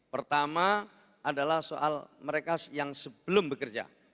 pertama adalah soal mereka yang sebelum bekerja